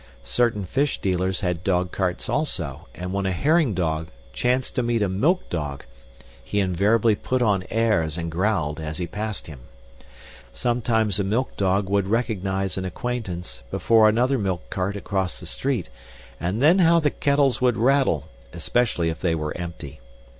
Certain fish dealers had dogcarts, also, and when a herring dog chanced to meet a milk dog, he invariably put on airs and growled as he passed him. Sometimes a milk dog would recognize an acquaintance before another milk cart across the street, and then how the kettles would rattle, especially if they were empty!